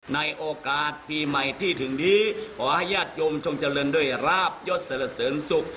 ในโอกาสปีใหม่ที่ถึงนี้ขอให้ญาติโยมจงเจริญด้วยราบยศรเสริญสุข